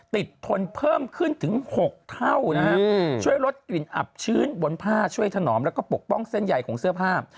ทนเพิ่มขึ้นถึง๖เท่านะฮะช่วยลดกลิ่นอับชื้นบนผ้าช่วยถนอมแล้วก็ปกป้องเส้นใหญ่ของเสื้อผ้า